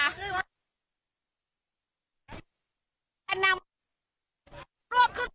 รวบคืนแล้วนะคะ